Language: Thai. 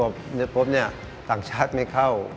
เดี๋ยวปุ๊บเนี่ยต่างชาติไม่เข้า